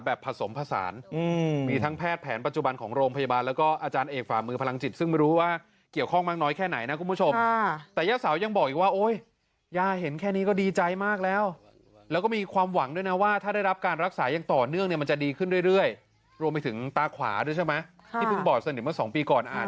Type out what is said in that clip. ผสมผสานมีทั้งแพทย์แผนปัจจุบันของโรงพยาบาลแล้วก็อาจารย์เอกฝ่ามือพลังจิตซึ่งไม่รู้ว่าเกี่ยวข้องมากน้อยแค่ไหนนะคุณผู้ชมแต่ย่าสาวยังบอกอีกว่าโอ๊ยย่าเห็นแค่นี้ก็ดีใจมากแล้วแล้วก็มีความหวังด้วยนะว่าถ้าได้รับการรักษาอย่างต่อเนื่องเนี่ยมันจะดีขึ้นเรื่อยรวมไปถึงตาขวาด้วยใช่ไหมที่เพิ่งบอกสนิทเมื่อสองปีก่อนอ่าน